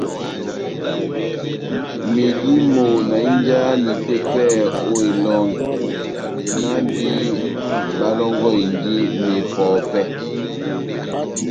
Medimɔ́ na hínjahani tepɛhɛ ó elɔngi, náhndi bálɔ́ngɔhindini mepɔpɛ́.